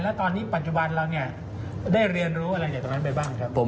แล้วตอนนี้ปัจจุบันเราได้เรียนรู้อะไรตรงนั้นไปบ้าง